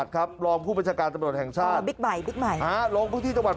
ตอนนี้ก็ยิ่งแล้ว